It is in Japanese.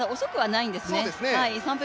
遅くはないんですね。